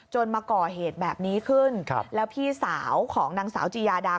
มาก่อเหตุแบบนี้ขึ้นแล้วพี่สาวของนางสาวจียาดา